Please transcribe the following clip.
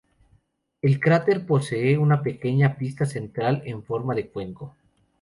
El cráter posee una pequeña pista central en forma de cuenco.